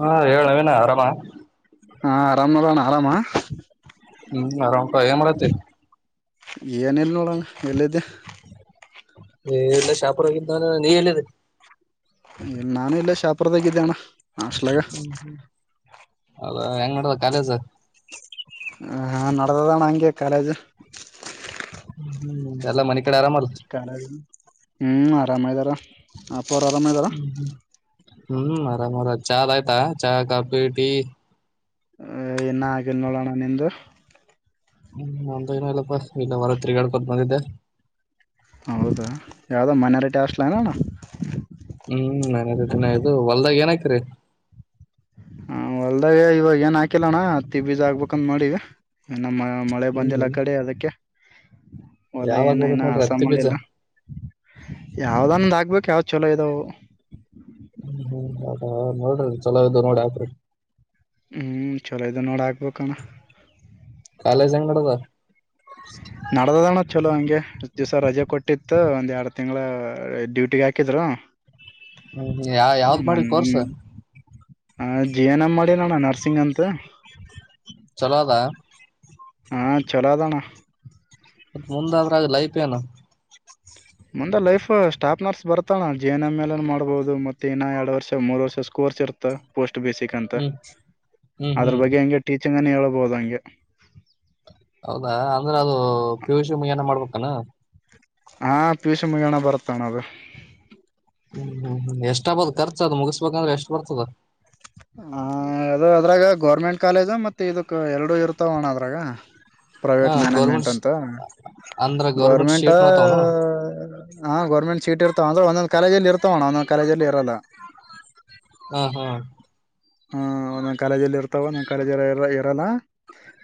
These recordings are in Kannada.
ಹಾ ಹೇಲು ಎಲ್ಲಾ ಆರಾಮ ಹಾ ಆರಾಮ್ ನೋಡೋಣ ಆರಾಮ ಹ್ಮ್ ಆರಾಮ ಕ ಮಾಡಲತ್ತ ಏನಿಲ್ಲ ನೋಡಗೆ ಎಲ್ಲಿದ್ದೆ ಎಲ್ಲ ಶಾಪುರೋಗಾನ ನೀ ಹೇಳಿದೆ ನಾನು ಇಲ್ಲ ಶಾಪ್ರದಗ ಇದಿದ್ದಾನ ಹ್ಮ ಹ್ಮ ಅದ ಎಂಗಡದ ಕಲೇಸ ಹ ಹ ನಡ್ದದಣ ಹಂಗೆ ಕಾಲೇಜ್ ಹ್ಮ್ ಎಲ್ಲ ಮನೆ [unintelligible] ಹ್ಮ್ ಆರಾಮ ಇದ್ದಾರ ಅಪ ಅವರು ಆರಾಮ ಇದದಾರ ಹ್ಮ್ ಮರಾಮರ ಚಾ ಲಯ್ಿತಾ ಚಾ ಕಾಪಿ ೀ ಅ ನ್ನ ಆಗಿಲ್ಲ ನೋಡೋಣ ನಿಂದು ಹ್ಮ್ ನಮ್ದ ಏನ ಇಲ್ಲಪ್ಪಾ ಇಲ್ಲ ಹೊರ ತಿರಿಗಾಳ್ಕೊತ್ ಬಂದಿದ್ದೆ ಹಾಸ್ಲೆನಣ್ಣ ಹ್ಮ್ ನನ್ ದಿನ ಇದು ಹೊಲ್ದಾಗ ಏನತ್ರಿ ಹೊಲ್ದಾಗ ಇವಾಗ ಏನ್ ಹಾಕಿಲ್ಲಣ್ಣ ಹತ್ತಿ ಬೀಜ ಆಗ್ಬೇಕಂದ ಮಾಡಿ ಇ ನ ಮಳೆ ಬಂದಿಲ್ಲ ಹ್ಮ್ ಕಡೆ ಅದಕ್ಕೆ ಹೊಲ ಯಾವಾಗ ಏನ ಹೋಗತ್ ಏನ ನೋಡ್ರಿ ಹತ್ತಿ ಅಸಾಮಲ್ಲಿ ಬೀಜ ಎಲ್ಲ ಯಾವ್ದ ಹಗ್ಬೇಕ ಯಾವ್ ಚಲೋ ಇದಾವ ಹಾ ನೋಡ್ರಿ ಚಲೋ ಇದ್ದ ನೋಡಿ ಆಕ್ರಿ ಹ್ಮ್ ಚಲೋ ಇದು ನೋಡ ಆಗಬೇಕ ಅಣ್ಣ ಬ [unintelligible] ನಡ್ದದಣ ಚಲೋ ಹಂಗೆ ದಿವ್ಸ ರಜೆ ಕೊಟ್ಟಿತ್ತು ಇ ಒಂದ್ ಎರಡ್ ತಿಂಗಳ ಡ್ಯೂಟಿಿಗೆ ಹಾಕಿದ್ರು ಹ್ಮ್ ಯ ಯಾವ್ದ್ ಮಾಡಿ ಕೋರ್ಸ ಹ ಜೀ ಎನ ಮಾಡಿ ನೋಣ್ಣ ನರ್ಸಿಂಗ್ ಅಂತ ಚಲೋ ಅದಾ ಹಾಂ ಚಲದಾನ ಮತ್ತ ಮುಂದಾದ್ರಾಗ ಲೈಫ ಏನು ಮುಂದ ಲೈಫ್ ಸ್ಟಾಫ್ ನರ್ಸ್ ಬರ್ತಾನ ಜಿ ಎನ್ ಎಮ್ ಎಲನ್ ಮಾಡ್ಬಹುದು ಮತ್ತೆ ಇನ್ನ ಎರಡ್ ವರ್ಷ ಮೂರ್ ವರ್ಷ ಸ್ಕೂಲ್ ಚೇರ್ತ ಪೋಸ್ಟ್ [unintelligible] ಬೇಸಿಕ್ ಅಂತ ಹ್ಮ್ ಹ್ಮ್ ಅದ್ರ ಹ್ಮ್ ಬಗ್ಗೆ ಹಂಗೆ ಟೀಚಿಂಗ್ ಅನ ಹೇಳ್ಬಹುದು ಹಂಗೆ ಹೌದಾ ಅಂದ್ರೆ ಅದು ಪಿಯುಷ ಮುಗ ಏನ ಮಾಡ್ಬೇಕಾನ ಹಾ ಪಿಯೂಷ ಮಗಣ ಬರ್ತಣ ಅದು ಹ್ಮ್ ಹ್ಮ್ ಹ್ಮ್ ಎಷ್ಟ ಆಬದು ಖರ್ಚು ಅದ್ ಮುಗಿಸ್ಬೇಕಂದ್ರೆ ಎಷ್ಟ್ ಬರ್ತದ ಹ ಅದು ಅದ್ರಾಗ ಗೌರ್ಮೆಂಟ್ ಕಾಲೇಜ್ ಮತ್ತೆ ಇದಕ್ ಎರಡುೂ ಇರ್ತಾವಣ ಅದ್ರಾಗ ಹ ಪ್ರೈವೇಟ್ ಗೌರ್ಮೆಂಟ್ ಮ್ಯಾನೇಜ್ಮೆಂಟ್ ಅಂತ ಅಂದ್ರ ಗೌರ್ಮೆಂಟ್ ಗೋರ್ಮೆಂಟ್ ಶೀಟ್ ಮಾತಾವನು ಹ ಗೌರ್ಮೆಂಟ್ ಸೀಟ್ ಇರ್ತಾವ ಅಂದ್ರೆ ಒಂದೊಂದ್ ಕಾಲೇಜಲ್ಲಿ ಇರ್ತವಣ್ಣ ಒಂದೊಂದ್ ಕಾಲೇಜಲ್ಲಿ ಇರಲ್ಲ ಹ ಹಾ ಹಾ ನ್ ಕಾಲೇಜಲ್ಲಿ ಇರ್ತಾವ ನನ್ ಕಾಲೇಜ ಎಲ್ಲ ಇರ ಇರಲ್ಲ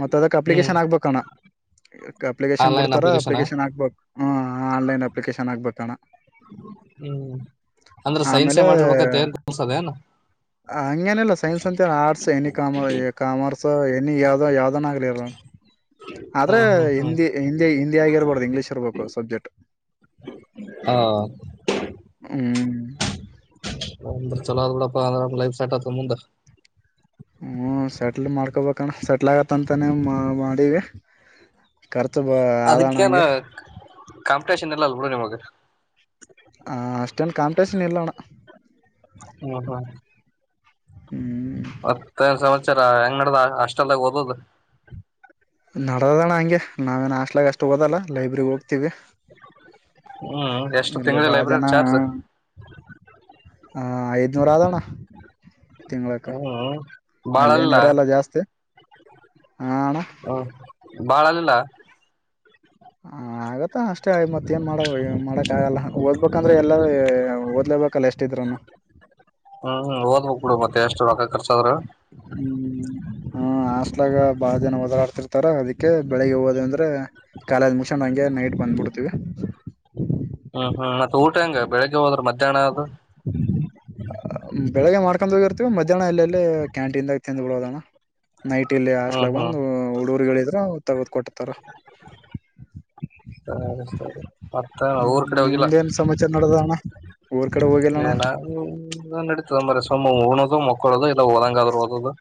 ಮತ್ತತ್ ಅದಕ್ ಹ್ಮ್ ಅಪ್ಲಿಕೇಶನ್ ಆಗ್ಬೇಕಣ್ಣ ಅಪ್ಲಿಕೇಶನ್ ಬಿಡ್ತಾರ ಅಪ್ಲಿಕೇಶನ್ ಹಕ್ಬೇಕು ಹ ಆನ್ಲೈನ್ ಅಪ್ಲಿಕೇಶನ್ ಹಾಕ್ಬೇಕಣ್ಣ ಹ್ಮ್ ಅಂದ್ರ ಸೈನ್ಸೇ ಆಮೇಲೆ ಮಾಡಿರ್ಬೇಕತ್ತ ಏನ್ ಅದೇನು ಹಂಗೇನಲ್ಲ ಸೈನ್ಸ್ ಅಂತ ಆರ್ಟ್ಸ್ ಎನಿ ಕಾಮರ್ ಕಾಮರ್ಸ್ ಎನಿ ಯಾವವು್ದೋ ಯಾವ್ದನ ಆಗಲಿರ ಆದ್ರೆ ಹ್ಮ್ ಹ್ಮ್ ಹ್ಮ್ ಹಿಂದಿ ಹಿಂದಿ ಹಿಂದಿ ಆಗಿರ್ಬಾರ್ದ ಇಂಗ್ಲೀಷ್ ಇರ್ಬೇಕು ಸಬ್ಜೆಕ್ಟ್ ಹಾ ಹ್ಮ್ ಹೌಬಿಡಪ್ಪ ಅರಾಮ್ ಲೈಫ್ ಸೆಟ್ ಆಗುತ್ತ ಮುಂದ ಹ್ಮ ಸೆಟ್ಲ್ ಮಾಡ್ಕೊಬೇಕಣ ಸೆಟ್ಲ್ ಆಗತ್ತಂತಾನೇ ಮಾಡೀವಿ ಕರ್ಚು ಆದಣ ಅದಕ್ಕೇನ ಅಂಗೇ ಕಾಂಪಿಟೇಷನ್ ಇಲ್ಲ ಅಲ್ ಬಿಡು ನಿಮಗ ಹ ಅಷ್ಟೇನ್ ಕಾಂಪಿಟೇಷನ್ ಇಲ್ಲಣ್ಣ ಹ್ಮ್ ಮತ್ತ ಸಮಾಚಾರ ಹೆಂಗ್ ನಡ್ಡದ ಹಾಸ್ಟೆಲ್ ಅಗ ಓದದು ನಡದದಣ್ಣ ಹಂಗೆ ನಾವೇನ್ ಆಸ್ಲಗ್ ಅಷ್ಟು ಓದಲ್ಲ ಲೈಬ್ರಗ್ ಹೋಗ್ತಿವಿ ಹ್ಮ್ ಎಷ್ಟು ಎಲ್ಲ ತಿಂಗಳ ಬ ಜನ ಲೈಬ್ರರಿ ಚಾರ್ಜ್ [unintelligible] ಹಾ ಐದನೂರ ಆದಣ ಹ್ಮ ಬಾಳಲ್ಲ ಇರಲ್ಲ ಜಾಸ್ತಿ ಹಾ ಅಣ್ಣ ಬಾಳ ಆಲಿಲ್ಲ ಹ ಆಗತ್ತ ಅಷ್ಟೇ ಮತ್ತ ಏನ್ ಮಾಡ ಮಾಡಕ್ ಆಗಲ್ಲ ಓದ್ಬೇಕಂದ್ರೆ ಎಲ್ಲಾರ ಹ್ಮ್ ಓದ್ಬೇಕಕ್ ಬಿಡು ಮತ್ತೆ ಎಷ್ಟು ರೊಕ್ಕ ಖರ್ಚಾದ್ರ ಹ್ಮ್ [unintelligible] ಹ್ಮ ಹಾಸ್ಟೆಲ್ ಬಾಳ ಜನ ಹೋದರೆಡ್ತಿರ್ತಾರ ಅದಿಕ್ಕೆ ಬೆಳ್ಲಗ್ಗೆ ಹೋದ ಅಂದ್ರೆ ಕಾಲೇಜು ಆದ್ ಮುಗಿಸಕೊಂಡ್ ಹಂಗೆ ನೈಟ್ ಬಂದ್ಬಿಡ್ತೀವಿ ಹ್ಮ್ ಹ್ಮ್ ಮತ್ತ ಊಟ ಹಂಗ ಬೆಳಗ್ ಹೋದ್ರ ಮಧ್ಯಾಹ್ನ ಅದು ಬೆಳಿಗ್ಗೆ ಮಾಡ್ಕೊಂಡ ಹೋಗಿರ್ತೀವಿ ಮಧ್ಯಾಹ್ನ ಅಲ್ಲಲ್ಲೇ ಕ್ಯಾಂಟೀನ್ದಾಗ ಬಿಡದಣ್ಣ ನೈಟ್ ಇಲ್ಲಿ ಹ್ಮ್ ಹಾಸ್ಲಾಗ ಹ್ಮ್ ಬಂದ್ ಹುಡ್ ಗುರ್ಗೆ [unintelligible] ತಂದ್ ಕೊಡ್ತಾರ ಸರಿ ಸರಿ ಮತ್ತ ಊರ್ ಕಡೆ ಹೋಗಿಲ್ಲ ನಿಮ್ದೇಏನ್ ಸಮಾಚಾರ ನಡದಣ್ಣ ಊರ್ ಕಡೆ ಹೋಗಿಲ್ಲಣ್ಣ ಎಲ್ಲೋ ಮಾರಾಯ ಸುಮ್ಮ ಊಣೋದು ಮಕ್ಕಳದು ಇಲ್ಲ ಓದಗ್ ಆದ್ರೆ ಓದದು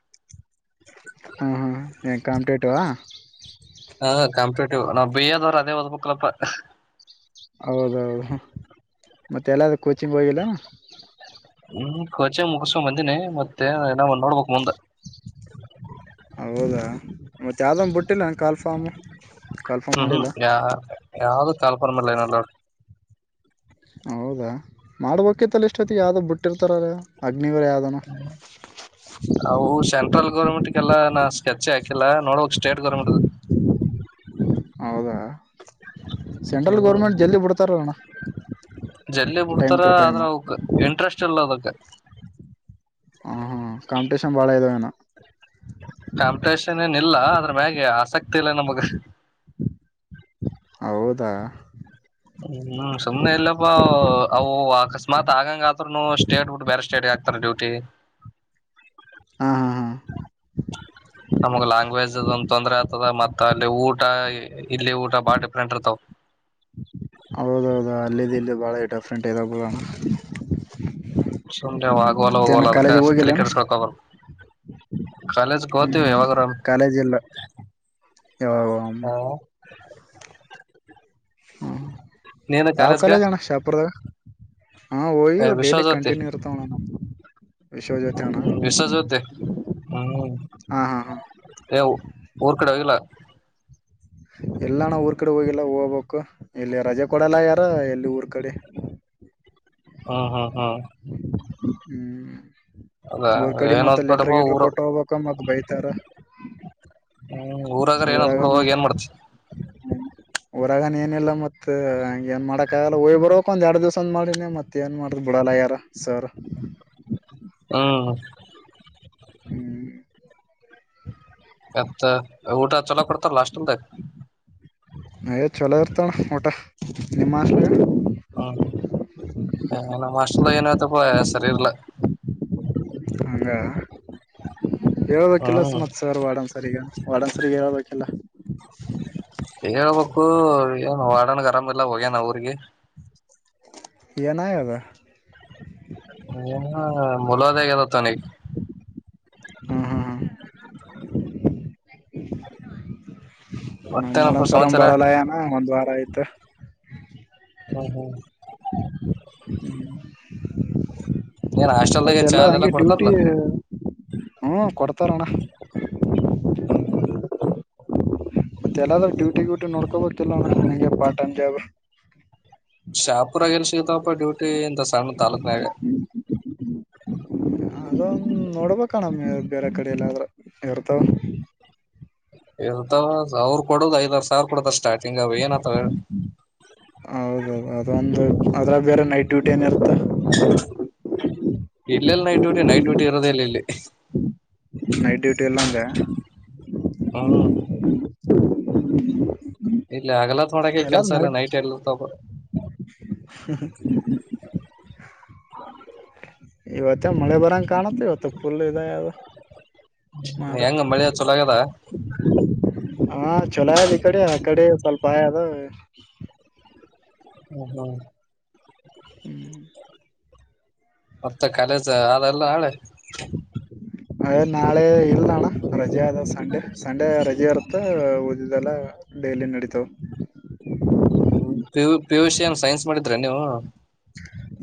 ಹಾ ಹಾ ಎ ಕಂಪಿತಿಟಿವ ಹಾ ಕಾಂಪಿಟೇಟಿವ್ ನಾವ್ ಬಿ ಎ ದವ್ರ ಅದೇ ಓದ್ಬೇಕಕ್ಲಪ್ಪ ಹೌದೌದು ಮತ್ತೆ ಎಲ್ಲಾದೂ ಕೋಚಿಂಗ್ ಹೋಗಿಲ್ಲೇನು ಹ್ಮ್ ಕ್ವಚಿಂಗ್ ಮುಗಸ್ಕೊಂಡ್ ಬಂದಿನಿ ಮತ್ತೆನಾವ ನೋಡ್ಬಕ್ ಮುಂದ ಹೌದಾ ಮತ್ತ ಯಾವ್ದೊಂದು ಬಿಟ್ಟಿಲ್ಲ ಕಾಲ್ಫಾಮ್ ಹ್ಮ್ ಹ್ಮ್ ಯ ಯಾವ್ದು ಕಾಲ್ಪರ್ಮಲ್ಲ [unintelligible] ಹೌದಾ ಮಾಡ್ಬೇಕಿತ್ತಲ್ಲ ಇಷ್ಟತಿ ಯಾವ್ದ್ ಬಿಟ್ಟಿರ್ತಾರಲ್ಲ ಅಗ್ನಿವೀರ ಯಾವ್ದನ ಹೌ ಸೆಂಟ್ರಲ್ ಗರ್ಮೆಂಟ್ ಎಲ್ಲ ನಾ ಸ್ಕೆಚ್ ಹಾಕಿಲ್ಲ ನೋಡಕ್ ಸ್ಟೇಟ್ ಗೌರ್ಮೆಂಟ್ ಹೌದಾ ಸೆಂಟ್ರಲ್ ಗರ್ಮೆಂಟ್ ಜಲ್ಲಿ ಬಿಡ್ತಾರಣ್ಣ ಜಲ್ಲಿ ಬಿಡ್ತಾರ ಆದ್ರ ಅವಕ್ ಇಂಟ್ರೆಸ್ಟ್ ಇಲ್ಲ ಅದಕ್ ಹ ಹಾ ಕಾಂಪಿಟೇಷನ್ ಬಾಳ ಇದಾವೆನ್ ಕಾಂಪಿಟೇಷನ್ ಏನ ಇಲ್ಲ ಅದ್ರ ಮ್ಯಾಗೆ ಆಸಕ್ತಿ ಇಲ್ಲ ನಮಗ್ ಹೌದಾ ಹ್ಮ್ ಸುಮ್ನೆ ಎಲ್ಲಪ್ಪಾ ಅವು ಅಕಸ್ಮಾತ್ ಆಗಂಗ ಆದ್ರುನು ಸ್ಟೇಟ್ ಬಿಟ್ಟು ಬೇರೆ ಸ್ಟೇಟ್ ಯಾಕ್ ಅಕ್ತರ ಡ್ಯೂಟಿ ಹ [inaudible] ಹಾ ಹಾ ಹಾ ನಮಗ್ ಲ್ಯಾಂಗ್ವೇಜ್ ಒಂದ್ ತೊಂದ್ರೆ ಆಗ್ತದ ಮತ್ತ ಅಲ್ಲಿ ಊಟ ಇಲ್ಲಿ ಊಟ ಬಾಲ್ ಡಿಫರೆಂಟ್ ಇರ್ತವ್ ಹೌದೌದು ಅಲ್ಲ ಇಲ್ಲಿ ಬಾಳ ಡಿಫ್ರೆಂಟ್ ಐದವ ಬಿಡನ ಸುಮ್ನೆ ಆಗವಲ್ಲ ಹೋಗುವಲ್ಲ ಅದಕ ಕಾಲೇಜಿಗೆ ತಲೆ ಹೋಗಿಲ್ಲೇನ ಕೆಡಸ್ಕಳ್ಕಬ [unintelligible] ಕಾಲೇಜು ಓತೀವಿ ಹ್ಮ್ ಯಾವಾಗಾರ ಒಮ್ಮಿ ಕಾಲೇಜ್ ಇಲ್ಲ ಯಾವಾಗ ಹ್ಮ [inaudible] ಹ್ಮ್ ಯಾವ ಕಾಲೇಜ್ ಅಣ್ಣ ಶಾಪುರದಾಗ. ಹ್ಮ ಒಯ್ಯಿವು ಡೈಲಿ ಕಂಟುನ್ಯೂ ಇರ್ತಾವಣ್ಣ ನಮಗ. ಹ್ಮ ವಿಶಜೊತಿ ಹ್ಮ್ ಹಾ ಹಾ ಹಾ ಎ ಊರ್ ಕಡೆ ಹೋಗಿಲ್ಲ. ಇಲ್ಲಣ ಊರ್ ಕಡೆ ಹೋಗಿಲ್ಲ ಹೋಗ್ಬೇಕು ಇಲ್ಲಿ ರಜೆ ಕೊಡಲ್ಲಾಗೇರ ಎಲ್ಲಿ ಊರ್ ಕಡೆ. [inaudible] ಹ್ಮ ಹ್ಹ ಹ್ಹ ಹ್ಮ್ ಊರ್ ಕಡೆ ಏನ್ ಮತ್ತ ಲೆಟರ್ ಓದ್ಬೇಡಪ್ಪ ಗಿಟ್ರ ಊರ ಕೊಟ್ಟ ಹೋಗ್ಬೇಕ ಮತ್ ಬೈತಾರ ಹ್ಮ್ ಊರಾಗರ ಏನಾದ ಬಿಡ ಊರಾಗನ ಹೋಗಿ ಏನ್ ಮಾಡತಿ ಊರಾಗನ ಏನಿಲ್ಲ ಮತ್ ಏನ್ ಮಾಡಕ್ಕ ಆಗಲ್ಲ ಹೋಗಿ ಬರಬೇಕ ಒಂದೆರಡ ದಿವಸ ಅಂಮಾಡಿನಿ ಮತ್ ಏನ್ ಮಾಡುದ. ಕೊಡಲಾಗೇರ ರಾ ಸರ್ ಹ್ಮ್. ಹ್ಮ್ [unintelligible] ಮತ್ತ ಊಟ ಚಲೋ ಕೊಡ್ತಾರಲ್ಲ ಹಾಸ್ಟಲದಾಗ. ಯೇ ಚೊಲೋ ಇರ್ತಣ ಊಟ ನಿಮ್ಹಾಸ್ಟ್ಲಾಗ. ಹ್ಮ್ ನಮ್ಮ ಹಾಸ್ಟಲನತ್ತಪ ಸರಿಯಿಲ್ಲ. ಹಂಗ. ಹೇಳ್ಬೇಕಿಲ್ಲ ಸ ಹ್ಮ್ ಮತ್ಸ ಸರ್ ವಾಡನ್ಸರಿಗೆ ವಾಡನ್ಸರಿಗ ಹೇಳ್ಬೇಕಿಲ್ಲ. ಹೇಳ್ಬೇಕು ಏನ್ ವಾಡಣ್ಣಗ ಆರಾಮಿಲ್ಲ ಹೋಗ್ಯನ ಊರಿಗೆ. ಎನ ಆಗೆದ. ಏನ ಮುಲಾದಿ ಆಗೇದತ್ತನಿಗೆ. ಹ್ಮ್ ಹ್ಮ್ ಹ್ಮ್. ಹ ನಮ್ಮ ವಾಡನಸರ ಬರಲ್ಲಾಗೆನ ಒಂದ್ ವಾರ ಆಯ್ತ. ಹ್ಮ್ [unintelligible] ಏನ್ ಹಾಸ್ಟೆಲ್ದಾಗ ಮತ್ತೆ ಚಾ ಎಲ್ಲ ಅದೆಲ್ಲ ಹಂಗೆ ಡ್ಯೂಟಿ ಕೊಡ್ತಾರಲ್ಲ ಹ್ಮ ಕೊಡ್ತರಣ್ಣ. ಹ್ಮ್ ಹ್ಮ್. ಮತ್ತೆ ಎಲ್ಲಾದ್ರೂ ಡ್ಯೂಟಿ ಗ್ಯೂಟಿ ನೋಡ್ಕೋಬೆಕಿಲ್ಲಾಣ್ಣ ಅಂಗೆ ಪಾರ ಟಾಯ್ಯಮ ಜಾಬ್. ಶಾಪುರಾಗ ಎಲ್ಲೀ ಸಿಗತವಪ್ಪ ಡ್ಯೂಟಿ ಇಂತಸ. ಅದೊಂದ್ ನೋಡ್ಬೇಕ. ಕಣಮ್ಮ ಬೇರೆ ಕಡೆ ಎಲ್ಲಾದ್ರೂ ಇರ್ತಾವ. ಇರತಾವ ಅವ್ರು ಕೊಡುದು ಐದಾರು ಸಾವಿರ ಕೊಡತಾ ಸ್ಟಾ ಹೌದು ಅದೊಂದ ಅದ್ರ ಬೇರೆ ನೈಟ್ ಡ್ಯೂಟಿ ಏನ ಇರತ್. ಇಲ್ಲೆಲ್ಲಿ ನೈಟ್ ಡ್ಯೂಟಿ ನೈಟ್ ಡ್ಯೂಟಿ ಇರೋದೇಲ್ಲ ಇಲ್ಲಿ. ನೈಟ್ ಡ್ಯೂಟಿ ಇಲ್ಲ ಅಂದೆ. ಹ್ಮ್ ಇಲ್ಲೇ ಹಗಲತ್ ಮಾಡಕೆ ಕೆಲ್ಸ ಇಲ್ಲ ನೈಟ್ ಎಲ್ಲಿರತವ. [unintelligible] ಇವತ್ತೇನ ಮಳೆ ಬರಂಗ ಕಾಣುತ್ತ ಇವತ್ತ ಪುಲ್ ಇದ ಅಗೆದ. ಹೆಂಗ ಮಳಿ ಚುಲೋ ಆಗೆದ. ಹಾ ಚುಲೋ ಆಯದ ಇಕ್ಕಡೇ ಆಕ್ಕಡೆ ಸ್ವಲ್ಪ ಆಯದ ಹ್ಮ ಹ್ಮ. ಹ್ಮ್ ಅತ್ತ ಕಾಲೇಜ ಅ ಆದಲ್ಲ ನಾಳೆ. ಅಯ್ ನಾಳೆ ಇಲ್ಲ ಅಣ್ಣ ರಜೆ ಅದ ಸಂಡೆ ಸಂಡೆ ರಜೆ ಇರುತ್ತ. ತ್ತ ಒದಿದೆಲ್ಲ ಡೈಲಿ ನಡಿತಾವ. ಹ್ಮ್ ಹ್ಮ್ ಪಿಯು ಪಿಯುಸಿ ಎನ್ ಸೈನ್ಸ್ ಮಾಡಿದ್ರೆನ ನೀವು.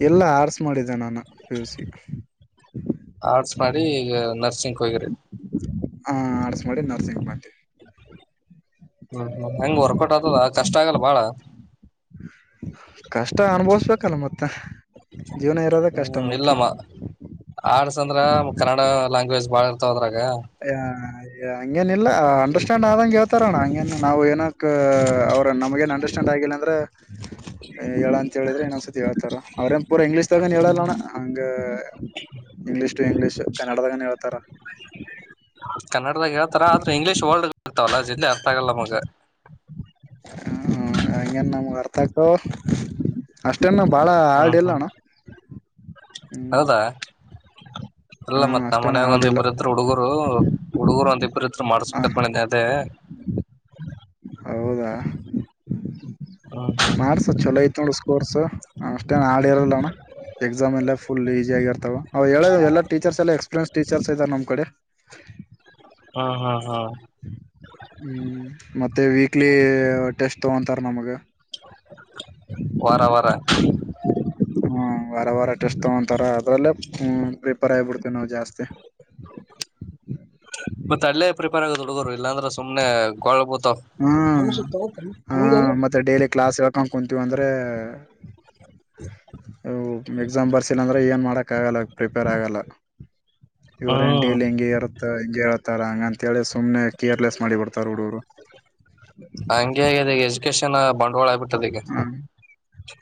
ಇಲ್ಲಾ ಆಟ್ಸ್ ಮಾಡಿದ್ದೆ ನಾನ ಪಿಯುಸಿ. ಆರ್ಟ್ಸ್ ಮಾಡಿ ಈಗ ನರ್ಸಿಂಕ್ ಹೋಗಿರಿ. ಆ ಆಡಸ್ ಮಾಡಿ ನರ್ಸಿಂಗ್ ಮಾಡ್ತೀವಿ. ಹ್ಮ್ ಹ್ಮ್ ಹೆಂಗ್ ವರ್ಕೌಟ್ ಆತದ ಕಷ್ಟ ಆಗಲ್ಲ ಬಾಳ. ಕಷ್ಟ ಅನುಭವಸ್ಬೇಕಲ್ಲ ಮತ್ತ ಜೀವನ ಇರೋದೇ ಕಷ್ಟ ಮತ್ತ ಆಡ್ಸ್ ಅಂದ್ರ ಕನ್ನಡ ಲ್ಯಾಂಗ್ವೇಜ್ ಬಾಳ ಇರ್ತವ ಅದ್ರಗ ಹ ಆಯ್ ಹಂಗೇನ ಇಲ್ಲ ಅಂಡರ್ಸ್ಟ್ಯಾಂಡ್ ಆದಂಗೆ ಹೇಳ್ತಾರ ಅಣ್ಣ ಹಂಗ ನಾವು ಏನಕ್ ಅವ್ರ ನಮ್ಗಏನ್ ಅಂಡರ್ಸ್ಟ್ಯಾಂಡ್ ಆಗ ಹಾಗೇನಂದ್ರೆ ಹೇಳ ಅಂತ ಹೇಳಿದ್ರೆ ಇನ್ನೊಂದ್ಸತಿ ಹೇಳ್ತಾರ ಅವ್ರೇನ್ ಪೂರ ಇಂಗ್ಲೀಷ್ದಾಗ ಹೇಳಲ್ಲಣ ಹಂಗ ಇಂಗ್ಲೀಷ್ ಟು ಇಂಗ್ಲೀಷ್ ಕನ್ನಡದಾಗಾನ ಹೇಳ್ತಾರ ಕನ್ನಡದಾಗ ಹೇಳ್ತಾರ ಆದ್ರೆ ಇಂಗ್ಲೀಷ್ ವರ್ಲ್ಡ್ ಇರ್ತವಲ್ಲ ಜಲ್ಲಿ ಅರ್ಥ ಆಗಲ್ಲ ನಮಗ ಹ್ಮ ಹಂಗೇನ್ ನಮ್ಗೆ ಅರ್ಥ ಅಕ್ಕವ್ ಅಷ್ಟೇನ್ನ ಬಾಳ ಹ್ಮ್ ಹಾಳ್ಡಿಲ್ಲ ಹ್ಮ್ ಅಣ್ಣ ಹ್ಮ್ ಅಲ್ಲ ಹಾ ಮತ್ ನಮ್ಮ ಅಷ್ಟೇನ್ ಮನಯಾಗ ಹಾರ್ಡ್ ಇಲ್ಲ ಒಂದಿಬ್ಬರು ಇದ್ರು ಹುಡುಗರು ಹುಡುಗರು ಒಂದ ಇಬ್ಬರು ಇದ್ರು ಹ ಮಾಡ್ಸ್ಬೇಕತ್ ಮಾಡಿದೆ ಅದೇ ಹೌದಾ ಹ್ಮ್ ಮಾಡಸ್ ಚೊಲೋ ಐತ್ ನೋಡಸ್ಕೋರ್ಸ ಅ ಅಷ್ಟ ಆಡಿರೋಲ್ಲಣ ಎಕ್ಸಾಮ ಎಲ್ಲ ಫುಲ್ ಈಸಿ ಆಗಿರ್ತಾವ ಅವು ಹೇಳ ಎಲ್ಲ ಟೀಚರ್ಸ್ ಎಲ್ಲ ಎಕ್ಸ್ಪೀರಿಯನ್ಸ್ ಟೀಚರ್ಸ್ ಇದರ ನಮ್ ಕಡೆ ಹ್ಮ್ ಹ್ಮ್ ಹ್ಮ್ ಹ್ಮ್ ಹ್ಮ್ ಮತ್ತೆ ವೀಕ್ಲಿ ಟೆಸ್ಟ್ ತಗೊಂತಾರ ನಮಗ ವಾರ ವಾರ ಹ್ಮ ವಾರ ವಾರ ಟೆಸ್ಟ್ ತಗೊಂತಾರ ಅದ್ರಲ್ಲೇ ಹ ಪ್ರಿಪೇರ್ ಆಗಿಬಿಡ್ತೇವಿ ನಾವು ಜಾಸ್ತಿ ಮತ್ತೆ ಅಲ್ಲೇ ಪ್ರಿಪೇರ್ ಆಗದ್ ಹುಡುಗೋರು ಇಲ್ಲಾಂದ್ರೆ ಸುಮ್ನೆ ಗೋಳ್ಬ ನಿಮಷತ್ತು ತಗೋ ಹಹ ಮತ್ತೆ ಡೇಲಿ ಕ್ಲಾಸ್ ಹೇಳ್ಕ ಕುಂತೀವಿ ಅಂದ್ರೆ ಅ ಎಕ್ಸಾಮ್ ಬರ್ಸಿಲ್ಲಂದ್ರೆ ಏನ್ ಮಾಡಕ್ ಆಗಲ್ಲ ಪ್ರಿಪೇರ್ ಆಗಲ್ಲ ಇವ್ರೇನ್ ಹ್ಮ್ ಡೈಲಿ ಹೆಂಗ ಇರುತ್ತ ಹಿಂಗೆ ಹೇಳ್ತಾರ ಹಂಗಂತ ಕೇಳಿ ಸುಮ್ನೆ ಕೇರ್ಲೆಸ್ ಮಾಡಿ ಬಿಡ್ತಾರೆ ಹುಡಗುರು ಹಂಗೆ ಆಗೇದ ಎಜುಕೇಶನ್ ಬಂಡವಾಳ ಆಗ್ಬಿಟ್ಟದೆ ಈಗ ಹ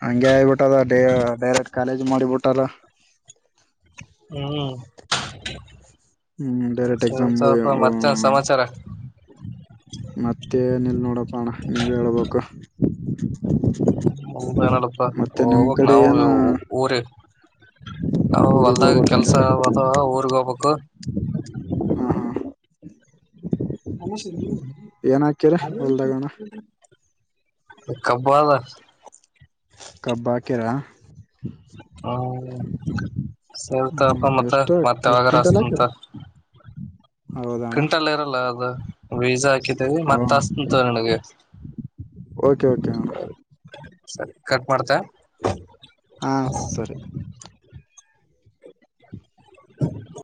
ಹಂಗೆ ಆಗಿಬಿಟ್ಟದ ಡೇ ಡೈರೆಕ್ಟ್ ಕಾಲೇಜ್ ಮಾಡಿಬಿಟ್ಟಾರ ಹ್ಮ್ ಹ್ಮ್ ಡೈರೆಕ್ಟ್ ಎಕ್ಸಾಮ್ ಸ್ವಲ್ಪ ಮತ್ತೆ ಸಮಾಚಾರ ಮತ್ತೆ. ಏನಿಲ್ಲ ನೋಡಪ್ಪ ಅಣ್ಣ ನೀವೆ ಹೇಳ್ಬೇಕು ಹೌದಏನಡಪ್ಪಾ ಮತ್ತೆ ನಿಮ್ ಹೋಬಕ್ ಕಡೆ ನಾವು ಏನ ಊರೇ ನಾವು ಊರಿಗ್ ಹೊಲ್ದಾಗ ಹೋಗ್ಬೇಕಂದ್ರ ಕೆಲ್ಸ ಅದಾವ ಊರಗೆ ಹೋಬಕು ಹ್ಮ ಹಾ ಹ ಸ ಏನ್ ಹಾಕಿರಿ ಹೊಲ್ದಾಗ ಅಣ್ಣ ಕಬ್ಬದ ಕಬ್ಬ ಹಾಕಿರ ಹ್ಮ್ ಸೇಲ್ತಪ್ಪ ಹ್ಮ್ ಮತ್ತ ಎಷ್ಟ ಮತ್ತೆ ಎಷ್ಟ್ ಯಾವಾಗರ ಕ್ವಿಂಟಲ್ ಹಚ್ಚತೀನಿ ಹಾಕಿರ ಅಂತ ಹೌದಣ ಕ್ವಿಂಟಲ್ ಇರಲ್ಲ ಅದು ಬೀಜಾ ಹಾಕಿದೇವಿ ಮತ್ತ ಹಸತೇನಿ ತಗೋ ನಿನಗ ಓಕೆ ಓಕೆ ಅಣ್ಣ ಸರಿ ಕಟ್ ಮಾಡ್ತಾ ಹಾ ಸರಿ ಹಾಹಾ